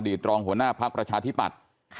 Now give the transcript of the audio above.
อดีตรองหัวหน้าพักประชาธิบัติ